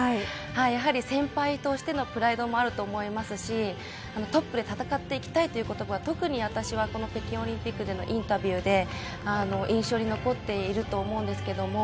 やはり先輩としてのプライドもあると思いますしトップで戦っていきたいという言葉、特に私はこの北京オリンピックでのインタビューで印象に残っていると思います。